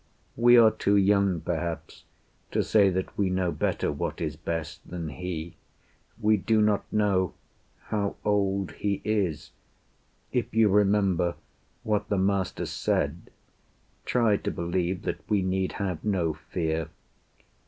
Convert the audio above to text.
We are too young, perhaps, To say that we know better what is best Than he. We do not know how old he is. If you remember what the Master said, Try to believe that we need have no fear.